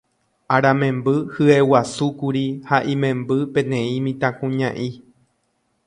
Aramemby hyeguasúkuri ha imemby peteĩ mitãkuña'i